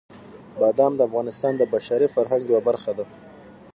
بادام د افغانستان د بشري فرهنګ یوه برخه ده.